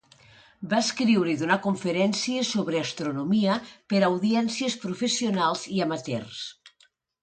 Va escriure i donar conferències sobre astronomia per a audiències professionals i amateurs.